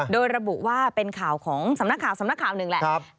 โดยระบุว่าเป็นข่าวของสำนักข่าวสำนักข่าวหนึ่งแหละ